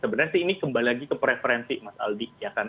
sebenarnya sih ini kembali lagi ke preferensi mas aldi